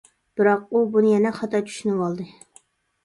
بىراق ئۇ بۇنى يەنە خاتا چۈشىنىۋالدى.